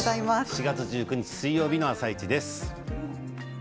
４月１９日水曜日の「あさイチ」です。